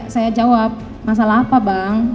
saya jawab masalah apa bang